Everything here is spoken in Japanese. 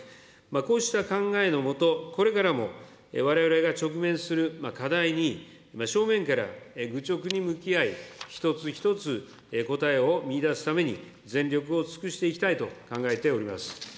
こうした考えの下、これからもわれわれが直面する課題に正面から愚直に向き合い、一つ一つ答えを見いだすために全力を尽くしていきたいと考えております。